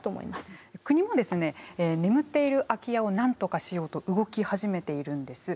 国もですね眠っている空き家をなんとかしようと動き始めているんです。